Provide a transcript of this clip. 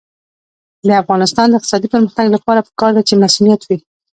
د افغانستان د اقتصادي پرمختګ لپاره پکار ده چې مصونیت وي.